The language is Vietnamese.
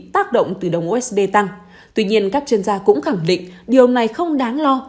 tác động từ đồng usd tăng tuy nhiên các chuyên gia cũng khẳng định điều này không đáng lo